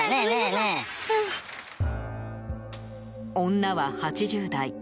女は８０代。